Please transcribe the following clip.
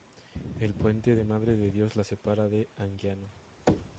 El "puente de Madre de Dios" la separa de Anguiano.